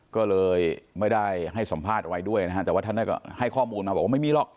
ก็เลยไม่ได้ให้สัมภาษณ์อะไรด้วยนะฮะแต่ว่าท่านก็ให้ข้อมูลมาบอกว่าไม่มีหรอก